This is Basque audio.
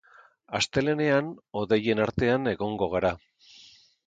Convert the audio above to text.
Astelehenean hodeien artean egongo gara.